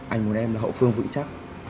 anh muốn em là hậu phương vụy chắc